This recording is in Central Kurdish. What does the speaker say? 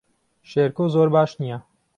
شێرکۆ زۆر باش نییە.